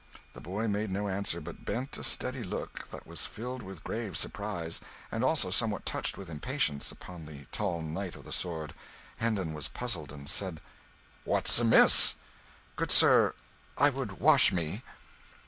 The boy made no answer, but bent a steady look, that was filled with grave surprise, and also somewhat touched with impatience, upon the tall knight of the sword. Hendon was puzzled, and said "What's amiss?" "Good sir, I would wash me."